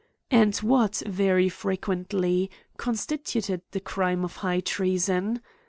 And what, very frequently, constituted the crime of high treason